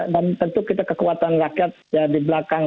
dan tentu kita kekuatan rakyat ya di belakangnya